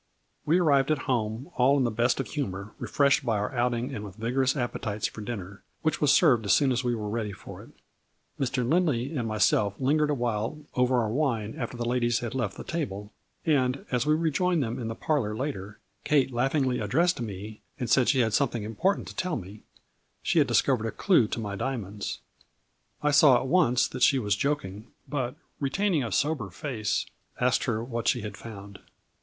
We arrived at home all in the best of humor, refreshed by our outing and with vigor ous appetites for dinner, which was served as soon as we were ready for it. Mr. Lindley and myself lingered awhile over our wine A FLURRY IN DIAMONDS. 175 after the ladies had left the table, and, as we rejoined them in the parlor later, Kate laugh ingly addressed me and said she had something important to tell me ; she had discovered a clue to my diamonds. I saw at once that she was joking, but retaining a sober face, asked her what she had found.